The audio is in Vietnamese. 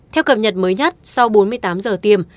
theo cập nhật mới nhất sau bốn mươi tám giờ tiêm